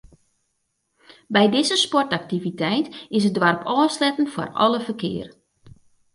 By dizze sportaktiviteit is it doarp ôfsletten foar alle ferkear.